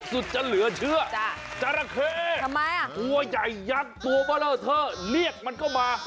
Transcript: สุดจะเหลือเชื่อจาระเคตัวใหญ่ยักษ์ตัวเบลอเธอเรียกมันก็มา